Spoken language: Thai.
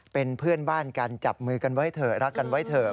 เป็นเพื่อนบ้านกันจับมือกันไว้เถอะรักกันไว้เถอะ